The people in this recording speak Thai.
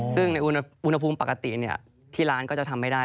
ซึ่งในอุณหภูมิปกติที่ร้านก็จะทำไม่ได้